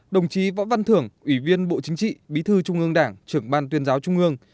đồng chí võ văn thưởng ủy viên bộ chính trị bí thư trung ương đảng trưởng ban tuyên giáo trung ương